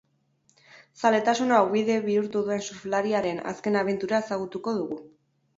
Zaletasuna ogibide bihurtu duen surflariaren azken abentura ezagutuko dugu.